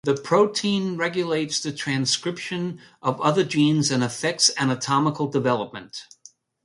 The protein regulates the transcription of other genes and affects anatomical development.